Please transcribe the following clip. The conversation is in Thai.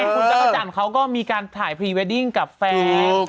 คุณจักรจันทร์เขาก็มีการถ่ายพรีเวดดิ้งกับแฟน